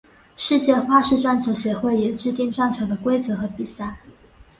世界花式撞球协会也制定撞球的规则和比赛。